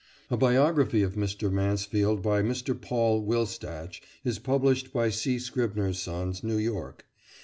A biography of Mr. Mansfield by Mr. Paul Wilstach is published by C. Scribner's Sons, New York.